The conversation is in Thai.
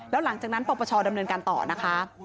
แล้วหลังจากนั้นปปชดำเนินการต่อนะคะ